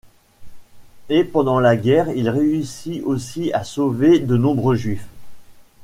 Et pendant la guerre, il réussit aussi à sauver de nombreux juifs.